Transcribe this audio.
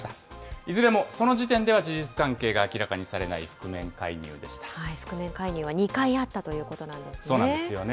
いずれもその時点では事実関係が明らかにされない、覆面介入でし覆面介入は２回あったというそうなんですよね。